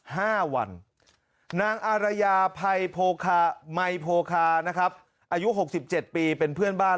ห้าวันนางอารยาภัยมัยโพคานะครับอายุหกสิบเจ็ดปีเป็นเพื่อนบ้าน